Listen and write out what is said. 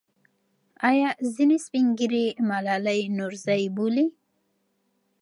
آیا ځینې سپین ږیري ملالۍ نورزۍ بولي؟